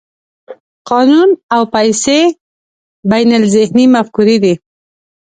قانون او پیسې بینالذهني مفکورې دي.